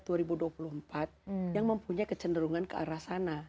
siapa siapa saja kandidat dua ribu dua puluh empat yang mempunyai kecenderungan ke arah sana